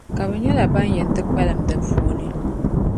ka bɛ nyɛla ban yɛn ti kpalim di puuni,